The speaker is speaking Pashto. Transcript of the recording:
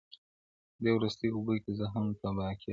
دې ورستو اوبو کي زه هم تباه کېږم -